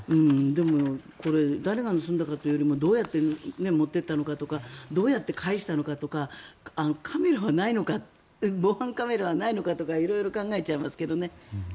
でも、これ誰が盗んだかというよりもどうやって持っていったのかとかどうやって返したのかとか防犯カメラはないのかとか色々、考えちゃいますけどね。